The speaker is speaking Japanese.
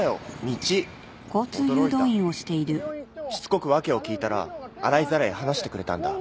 しつこく訳を聞いたら洗いざらい話してくれたんだ。